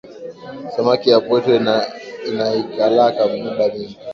Samaki ya pweto inaikalaka miba mingi